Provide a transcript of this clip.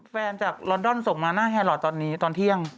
จากลอนดอนส่งมาหน้าแฮลอทตอนนี้ตอนเที่ยง